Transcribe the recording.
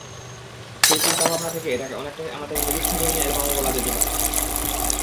সেই চিন্তা-ভানা থেকে এটাকে অনেকটা আমাদের নিরীক্ষাধর্মী অ্যালবামও বলা যেতে পারে।